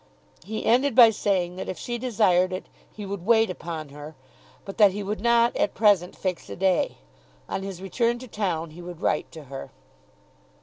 He ended by saying that if she desired it he would wait upon her, but that he would not at present fix a day. On his return to town he would write to her.